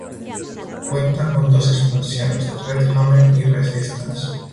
Cuenta con dos expansiones, "Red Hammer" y "Resistance".